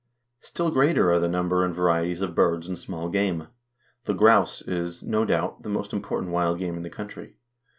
Still greater are the number and varieties of birds and small game. The grouse is, no doubt, the most important wild game in the country.